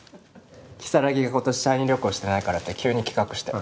如月が今年社員旅行してないからって急に企画して。